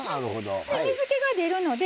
水けが出るので。